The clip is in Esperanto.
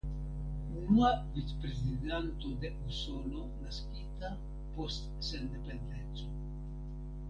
Unua vicprezidanto de Usono naskita post sendependeco.